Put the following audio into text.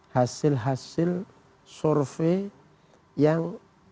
hasil hasil survei yang